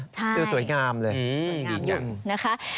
ใช่สวยงามเลยดีจังนะคะใช่